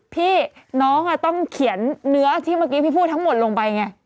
พี่น้องต้องเขียนเนื้อที่เมื่อกี้พี่พูดทั้งหมดลงไปไง